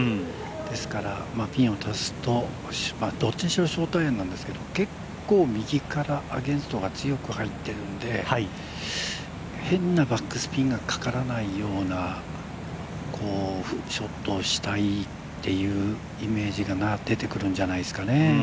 ですからピンを足すとどっちにしろショートアイアンなんですけど結構、右からアゲンストが強く入っているので変なバックスピンがかからないようなショットをしたいというイメージが出てくるんじゃないですかね。